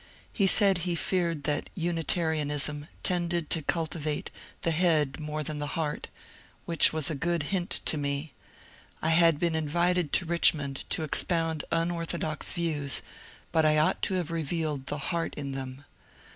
He said he feared that Unitarianism tended to cultivate the head more than the heart, which was a good hint to me : I had been in vited to Richmond to expound unorthodox views, but I ought to have revealed the heart in them.